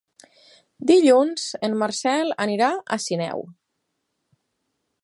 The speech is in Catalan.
Dilluns en Marcel irà a Sineu.